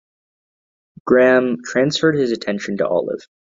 Graham transferred his attention to Olive.